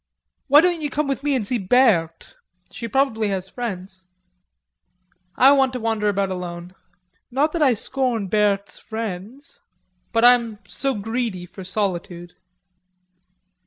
"Why don't you come with me and see Berthe; she probably has friends." "I want to wander about alone, not that I scorn Berthe's friends," said Andrews.... "But I am so greedy for solitude."